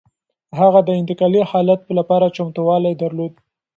هغه د انتقالي حالت لپاره چمتووالی درلود.